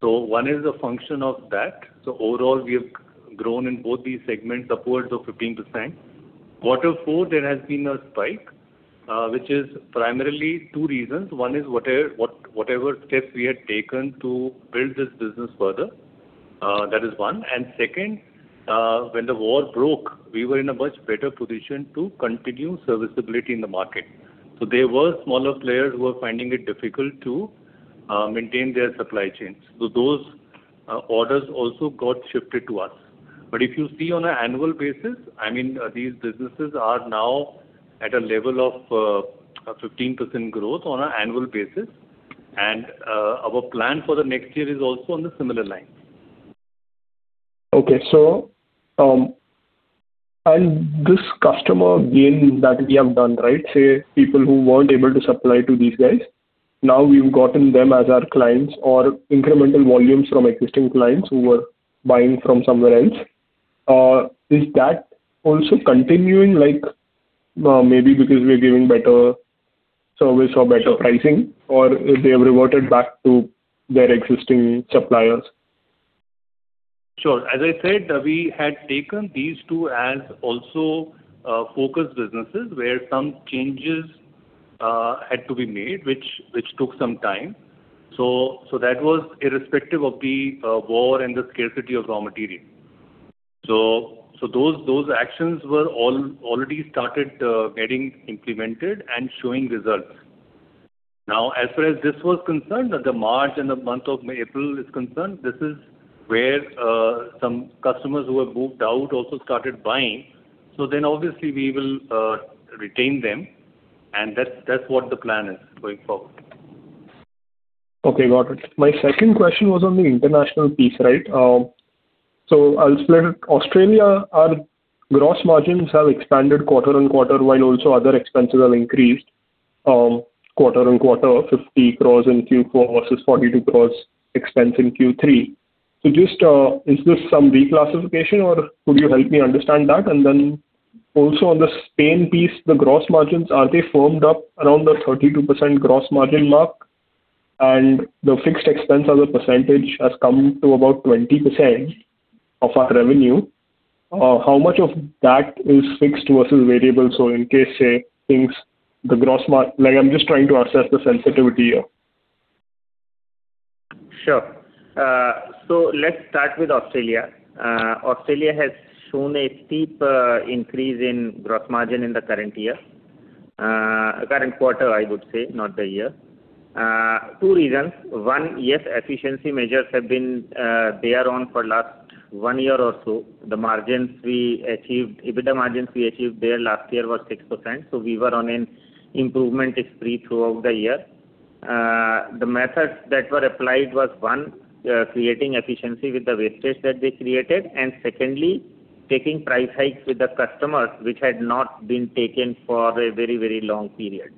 One is a function of that. Overall, we have grown in both these segments upwards of 15%. Quarter four, there has been a spike, which is primarily two reasons. One is whatever steps we had taken to build this business further. That is one. Second, when the war broke, we were in a much better position to continue serviceability in the market. There were smaller players who were finding it difficult to maintain their supply chains. Those orders also got shifted to us. If you see on an annual basis, I mean, these businesses are now at a level of a 15% growth on an annual basis. Our plan for the next year is also on the similar lines. Okay. This customer gain that we have done, right, say people who weren't able to supply to these guys, now we've gotten them as our clients or incremental volumes from existing clients who were buying from somewhere else. Is that also continuing like, maybe because we're giving better pricing or they have reverted back to their existing suppliers? Sure. As I said, we had taken these two as also focused businesses where some changes had to be made, which took some time. That was irrespective of the war and the scarcity of raw material. Those actions were already started getting implemented and showing results. As far as this was concerned, the March and the month of April is concerned, this is where some customers who have moved out also started buying. Obviously we will retain them, and that's what the plan is going forward. Okay, got it. My second question was on the international piece, right? I'll split it. Australia, our gross margins have expanded quarter-on-quarter, while also other expenses have increased, quarter-on-quarter, 50 crore in Q4 versus 42 crore expense in Q3. Just, is this some reclassification or could you help me understand that? Also on the Spain piece, the gross margins, are they firmed up around the 32% gross margin mark? The fixed expense as a percentage has come to about 20% of our revenue. How much of that is fixed versus variable? In case say things, like I'm just trying to assess the sensitivity here. Sure. Let's start with Australia. Australia has shown a steep increase in gross margin in the current year. Current quarter, I would say, not the year. Two reasons. One, yes, efficiency measures have been, they are on for last one year or so. EBITDA margins we achieved there last year were 6%, we were on an improvement spree throughout the year. The methods that were applied was, one, creating efficiency with the wastage that they created, and secondly, taking price hikes with the customers, which had not been taken for a very, very long period.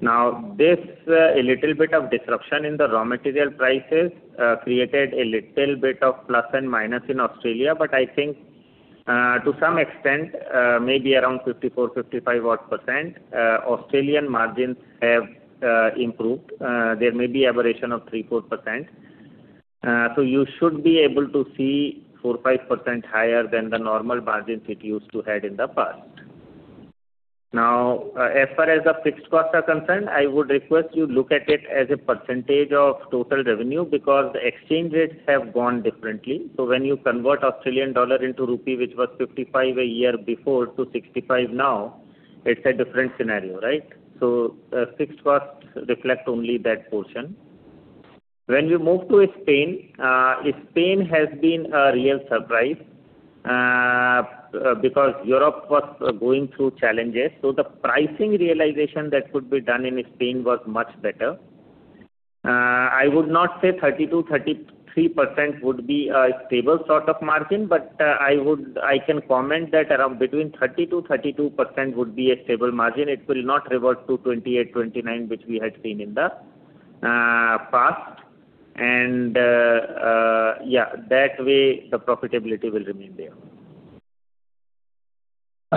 This a little bit of disruption in the raw material prices created a little bit of plus and minus in Australia. I think to some extent, maybe around 54%-55% odd, Australian margins have improved. There may be aberration of 3%-4%. You should be able to see 4%-5% higher than the normal margins it used to had in the past. As far as the fixed costs are concerned, I would request you look at it as a percentage of total revenue because the exchange rates have gone differently. When you convert Australian dollar into rupee, which was 55 a year before to 65 now, it's a different scenario, right? Fixed costs reflect only that portion. When we move to Spain has been a real surprise because Europe was going through challenges, so the pricing realization that could be done in Spain was much better. I would not say 30%-33% would be a stable sort of margin, but I can comment that around between 30%-32% would be a stable margin. It will not revert to 28%, 29%, which we had seen in the past. Yeah, that way the profitability will remain there.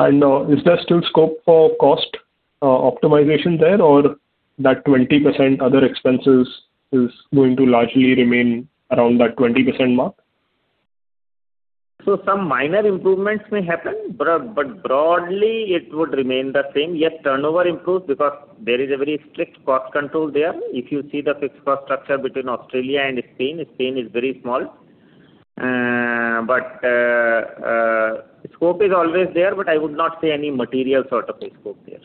Is there still scope for cost optimization there or that 20% other expenses is going to largely remain around that 20% mark? Some minor improvements may happen, but broadly it would remain the same. Yes, turnover improves because there is a very strict cost control there. If you see the fixed cost structure between Australia and Spain is very small. Scope is always there, but I would not say any material sort of a scope there.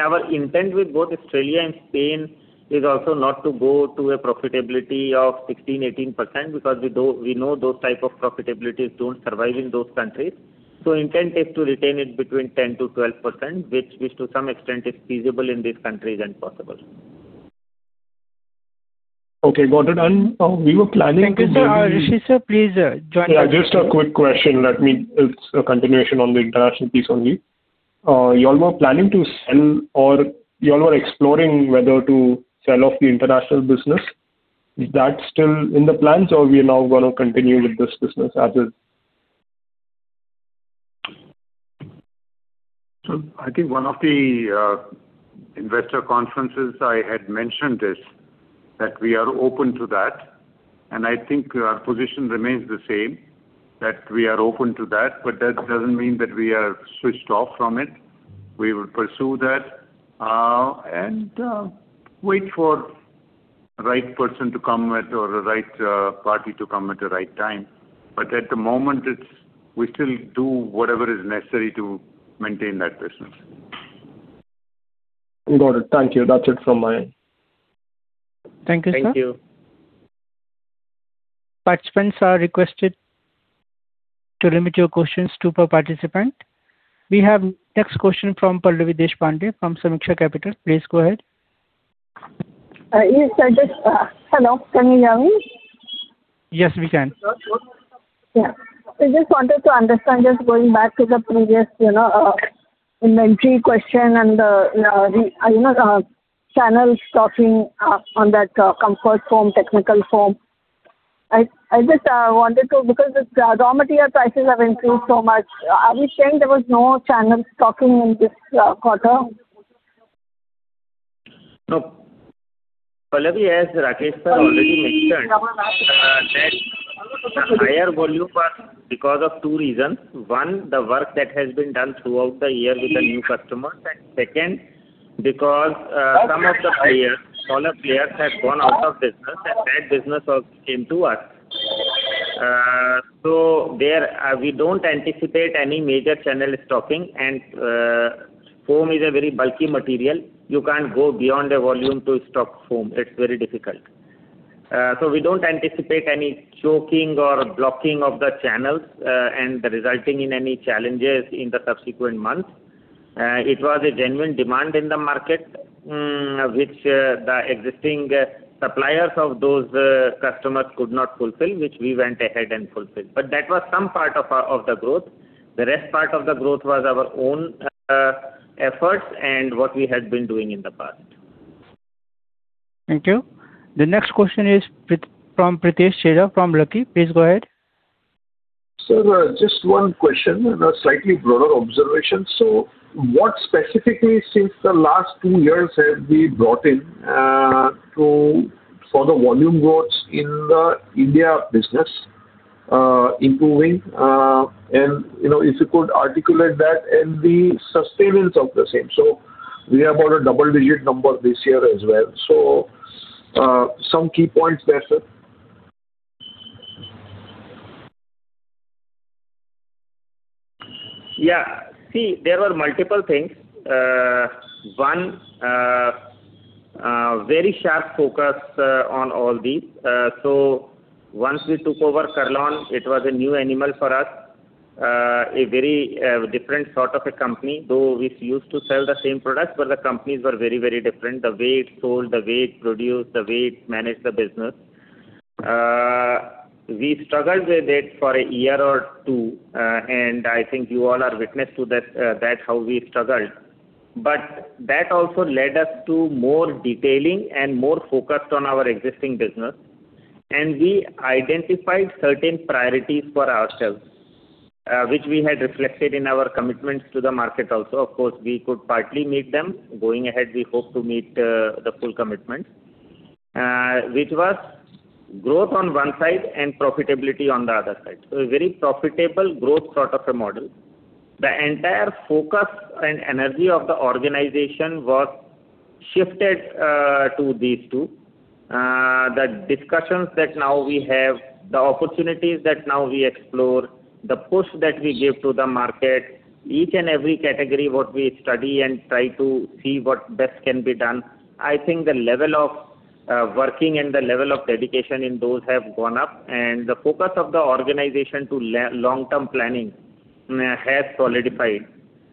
Our intent with both Australia and Spain is also not to go to a profitability of 16%, 18% because we know those type of profitabilities don't survive in those countries. Intent is to retain it between 10%-12%, which to some extent is feasible in these countries and possible. Okay, got it. We were planning to. Thank you, sir. Rishi, sir, please join us. Yeah, just a quick question. It's a continuation on the international piece only. You all were planning to sell or you all were exploring whether to sell off the international business. Is that still in the plans or we are now gonna continue with this business as is? I think one of the investor conferences I had mentioned is that we are open to that, and I think our position remains the same, that we are open to that, but that doesn't mean that we are switched off from it. We will pursue that and wait for right person to come at or the right party to come at the right time. At the moment it's we still do whatever is necessary to maintain that business. Got it. Thank you. That's it from my end. Thank you, sir. Thank you. Participants are requested to limit your questions two per participant. We have next question from Pallavi Deshpande from Sameeksha Capital. Please go ahead. Hello, can you hear me? Yes, we can. Yeah. I just wanted to understand, just going back to the previous, you know, inventory question and, you know, the channels talking on that comfort foam, technical foam. Because the raw material prices have increased so much, are we saying there was no channel stocking in this quarter? No. Pallavi, as Rakesh already mentioned, that the higher volume was because of two reasons. One, the work that has been done throughout the year with the new customers. Second, because some of the players, smaller players have gone out of business and that business came to us. There, we don't anticipate any major channel stocking. Foam is a very bulky material. You can't go beyond a volume to stock foam. It's very difficult. We don't anticipate any choking or blocking of the channels and resulting in any challenges in the subsequent months. It was a genuine demand in the market, which the existing suppliers of those customers could not fulfill, which we went ahead and fulfilled. That was some part of the growth. The rest part of the growth was our own efforts and what we had been doing in the past. Thank you. The next question is from Pritesh Chheda from Lucky. Please go ahead. Sir, just one question and a slightly broader observation. What specifically since the last two years have we brought in for the volume growths in the India business, improving? And, you know, if you could articulate that and the sustenance of the same. We have our double-digit number this year as well. Some key points there, sir. Yeah. See, there were multiple things. One, very sharp focus on all these. Once we took over Kurl-On, it was a new animal for us. A very different sort of a company, though we used to sell the same products, but the companies were very, very different. The way it sold, the way it produced, the way it managed the business. We struggled with it for a year or two. I think you all are witness to that how we struggled. That also led us to more detailing and more focused on our existing business. We identified certain priorities for ourselves, which we had reflected in our commitments to the market also. Of course, we could partly meet them. Going ahead, we hope to meet the full commitment, which was growth on one side and profitability on the other side. A very profitable growth sort of a model. The entire focus and energy of the organization was shifted to these two. The discussions that now we have, the opportunities that now we explore, the push that we give to the market, each and every category what we study and try to see what best can be done. I think the level of working and the level of dedication in those have gone up, and the focus of the organization to long-term planning has solidified,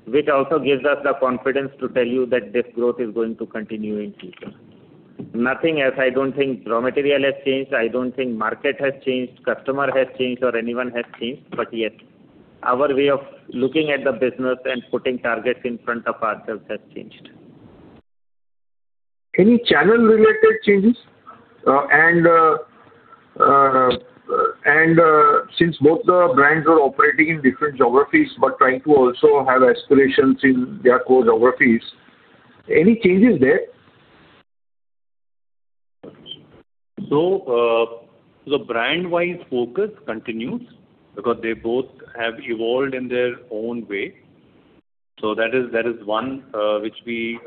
which also gives us the confidence to tell you that this growth is going to continue in future. Nothing else. I don't think raw material has changed, I don't think market has changed, customer has changed, or anyone has changed. Yes, our way of looking at the business and putting targets in front of ourselves has changed. Any channel related changes? Since both the brands are operating in different geographies but trying to also have aspirations in their core geographies, any changes there? The brand-wise focus continues because they both have evolved in their own way. That is one which we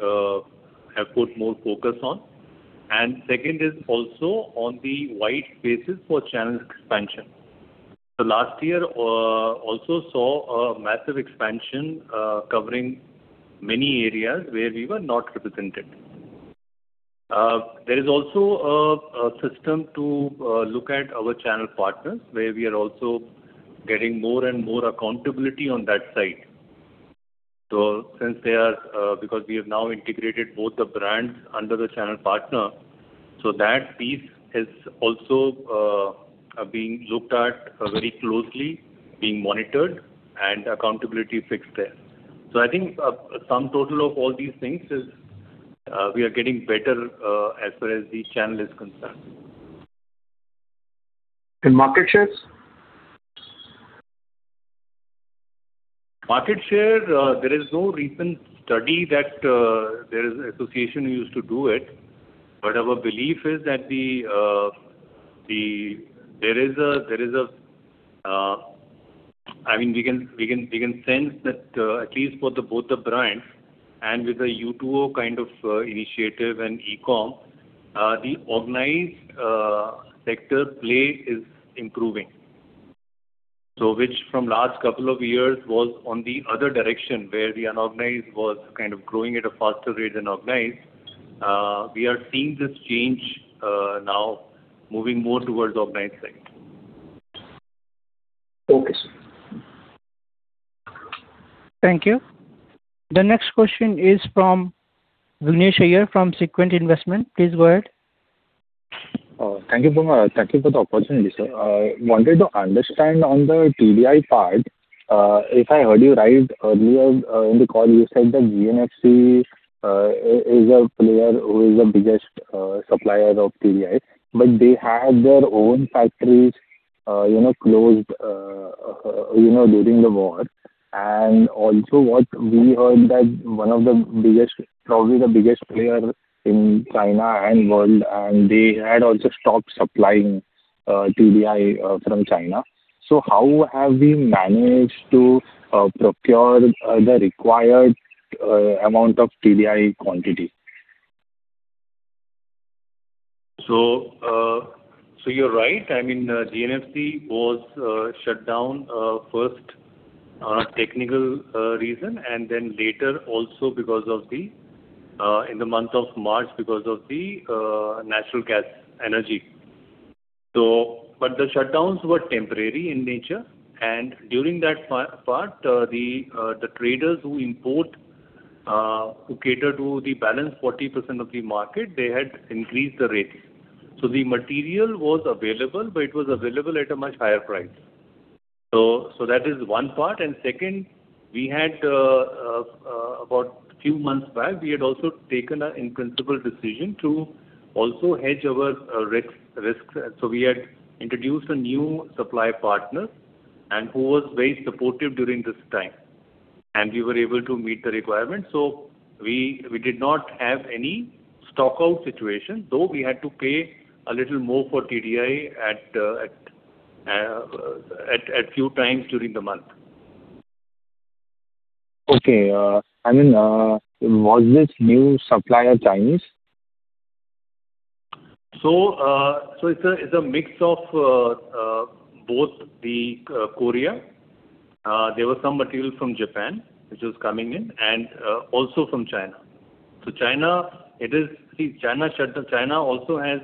have put more focus on. Second is also on the white spaces for channel expansion. Last year also saw a massive expansion covering many areas where we were not represented. There is also a system to look at our channel partners, where we are also getting more and more accountability on that side. Since they are because we have now integrated both the brands under the channel partner, that piece is also being looked at very closely, being monitored and accountability fixed there. I think sum total of all these things is we are getting better as far as the channel is concerned. Market shares? Market share, there is no recent study that, there is association who used to do it. Our belief is that I mean, we can sense that, at least for the both the brands and with the U2O kind of initiative and e-com, the organized sector play is improving. Which from last couple of years was on the other direction, where the unorganized was kind of growing at a faster rate than organized. We are seeing this change, now moving more towards organized side. Okay, sir. Thank you. The next question is from Vignesh Iyer from Sequent Investment. Please go ahead. Thank you for the opportunity, sir. Wanted to understand on the TDI part. If I heard you right earlier in the call, you said that GNFC is a player who is the biggest supplier of TDI, but they had their own factories closed during the war. Also what we heard that one of the biggest, probably the biggest player in China and world, and they had also stopped supplying TDI from China. How have we managed to procure the required amount of TDI quantity? You're right. I mean, GNFC was shut down first on a technical reason, and then later also because of the in the month of March, because of the natural gas energy. But the shutdowns were temporary in nature, and during that part, the traders who import, who cater to the balance 40% of the market, they had increased the rates. The material was available, but it was available at a much higher price. That is one part. Second, we had about few months back, we had also taken a in-principle decision to also hedge our risks. We had introduced a new supply partner and who was very supportive during this time, and we were able to meet the requirement. We did not have any stock-out situation, though we had to pay a little more for TDI at few times during the month. Okay. I mean, was this new supplier Chinese? It's a mix of both the Korea. There was some material from Japan which was coming in and also from China. China also has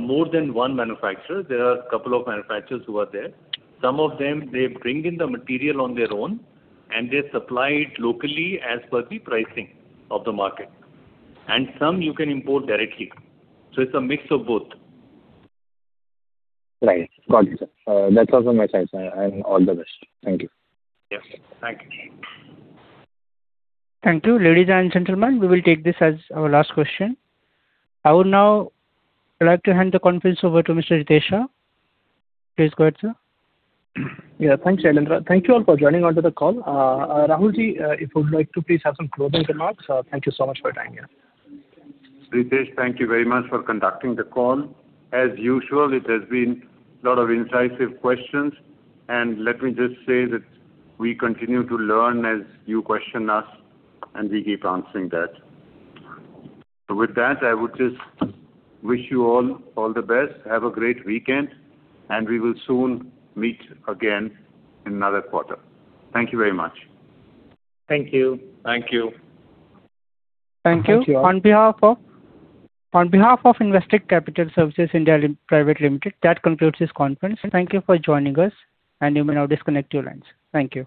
more than one manufacturer. There are a couple of manufacturers who are there. Some of them, they bring in the material on their own and they supply it locally as per the pricing of the market. Some you can import directly. It's a mix of both. Right. Got it, sir. That's all from my side, sir, and all the best. Thank you. Yes. Thank you. Thank you. Ladies and gentlemen, we will take this as our last question. I would now like to hand the conference over to Mr. Ritesh Shah. Please go ahead, sir. Yeah. Thanks, Shailendra. Thank you all for joining onto the call. Rahul, if you would like to please have some closing remarks. Thank you so much for your time here. Ritesh, thank you very much for conducting the call. As usual, it has been lot of incisive questions, and let me just say that we continue to learn as you question us, and we keep answering that. With that, I would just wish you all all the best. Have a great weekend, and we will soon meet again in another quarter. Thank you very much. Thank you. Thank you. Thank you. Thank you all. On behalf of Investec Capital Services (India) Private Limited, that concludes this conference. Thank you for joining us and you may now disconnect your lines. Thank you.